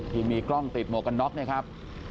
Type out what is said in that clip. ที่มีกล้องติดหมวกกันน็อกเนี่ยครับ